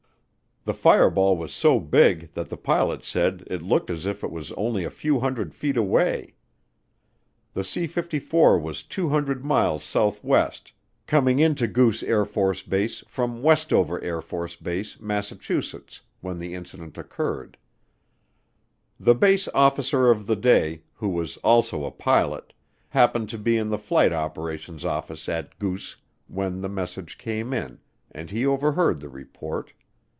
The fireball was so big that the pilot said it looked as if it was only a few hundred feet away. The C 54 was 200 miles southwest, coming into Goose AFB from Westover AFB, Massachusetts, when the incident occurred. The base officer of the day, who was also a pilot, happened to be in the flight operations office at Goose when the message came in and he overheard the report.